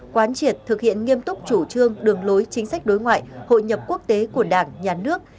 quán triệt thực hiện nghiêm túc chủ trương đường lối chính sách đối ngoại hội nhập quốc tế của đảng nhà nước